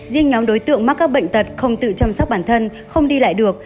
riêng nhóm đối tượng mắc các bệnh tật không tự chăm sóc bản thân không đi lại được